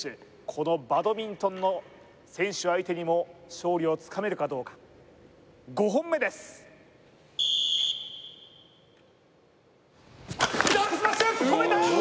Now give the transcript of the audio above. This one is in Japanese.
このバドミントンの選手相手にも勝利をつかめるかどうかジャンプスマッシュ！